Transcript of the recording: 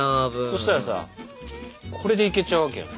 そしたらさこれでいけちゃうわけよね。